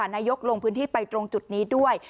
ลงพื้นที่ไปตรงจุดนี้ด้วย